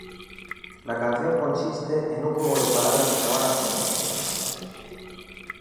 La canción consiste en un juego de palabras acabadas en –ex.